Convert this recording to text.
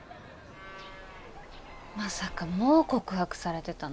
まさかもう告白されてたなんて。